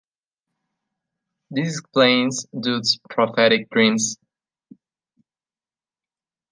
This explains Dodds' prophetic dreams.